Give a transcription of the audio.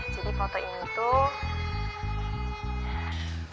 jadi foto ini tuh